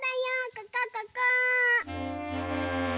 ここここ！